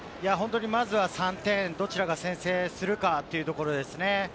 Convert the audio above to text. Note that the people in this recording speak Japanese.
まずは３点、どちらが先制するかというところですね。